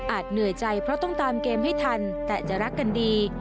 เหนื่อยใจเพราะต้องตามเกมให้ทันแต่จะรักกันดี